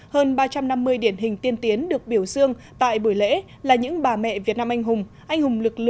hơn ba trăm năm mươi điển hình tiên tiến được biểu dương tại buổi lễ là những bà mẹ việt nam anh hùng